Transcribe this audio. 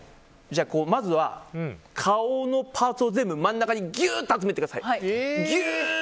まずは、顔のパーツを全部真ん中にギューッと集めてください。